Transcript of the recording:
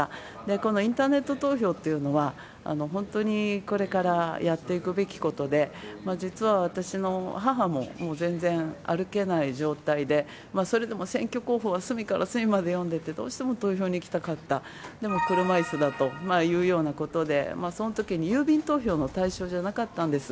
このインターネット投票っていうのは、本当にこれからやっていくべきことで、実は私の母も、もう全然、歩けない状態で、それでも選挙公報は隅から隅まで全部読んでて、どうしても投票に行きたかった、でも、車いすだというようなことで、そのときに郵便投票の対象じゃなかったんです。